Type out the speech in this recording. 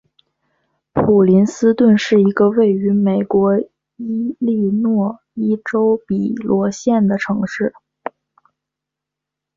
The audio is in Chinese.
普林斯顿是一个位于美国伊利诺伊州比罗县的城市。